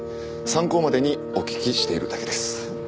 参考までにお聞きしているだけです。